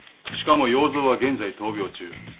しかも要造は現在闘病中。